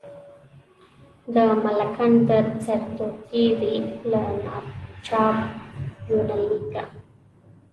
د ملکنډ د سرتوتي وی، له ناچاپ یونلیکه.